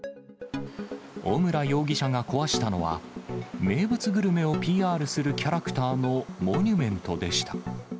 小村容疑者が壊したのは、名物グルメをＰＲするキャラクターのモニュメントでした。